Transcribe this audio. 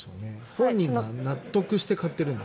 本人が納得して買ってるので。